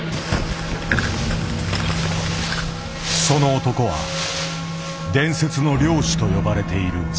その男は伝説の猟師と呼ばれている。